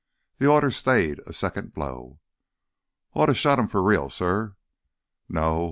The order stayed a second blow. "Oughta shot him for real, suh." "No.